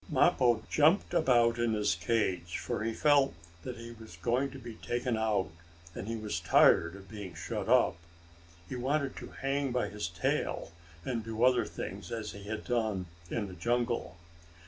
Mappo jumped about in his cage, for he felt that he was going to be taken out, and he was tired of being shut up. He wanted to hang by his tail, and do other things, as he had done in the jungle.